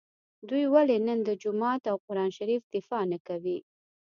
دوی ولي نن د جومات او قران شریف دفاع نکوي